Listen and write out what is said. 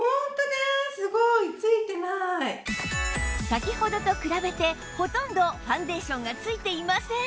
先ほどと比べてほとんどファンデーションがついていません